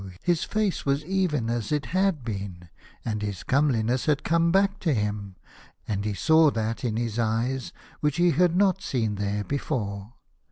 his face was even as it had been, and his come liness had come back to him, and he saw that in his eyes which he had not seen there before.